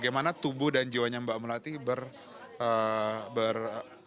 bagaimana tubuh dan jiwanya mbak melati ber